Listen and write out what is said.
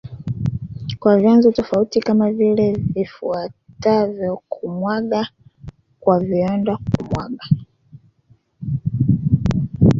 kwa vyanzo tofauti kama vile zifuatazoKumwaga kwa viwandaKumwaga